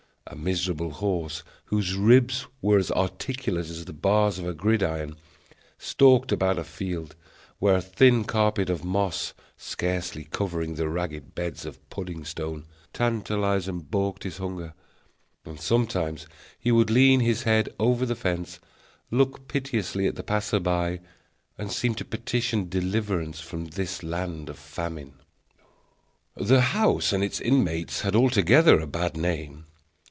A miserable horse, whose ribs were as articulate as the bars of a gridiron, stalked about a field, where a thin carpet of moss, scarcely covering the ragged beds of pudding stone, tantalized and balked his hunger; and sometimes he would lean his head over the fence, look piteously at the passer by, and seem to petition deliverance from this land of famine. The house and its inmates had altogether a bad name.